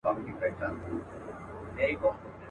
دا د پېړیو مزل مه ورانوی.